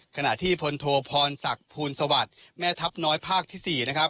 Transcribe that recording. ขณะที่พลโทพรศักดิ์ภูลสวัสดิ์แม่ทัพน้อยภาคที่๔นะครับ